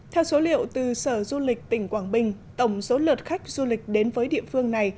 theo số liệu từ sở du lịch tỉnh quảng bình tổng số lượt khách du lịch đến với địa phương này